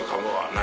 何？